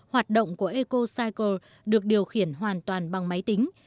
hoạt động của ecocycle được điều khiển hoàn toàn bằng máy tính